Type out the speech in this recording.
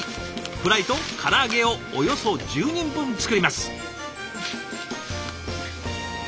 フライと唐揚げをおよそ１０人分作ります。